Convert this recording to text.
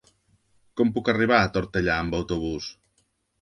Com puc arribar a Tortellà amb autobús?